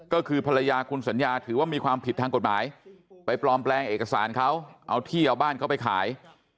ก็คือภรรยาคุณสัญญาถือว่ามีความผิดทางกฎหมายไปปลอมแปลงเอกสารเขาเอาที่เอาบ้านเขาไปขาย